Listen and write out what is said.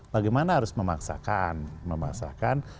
bagaimana harus memaksakan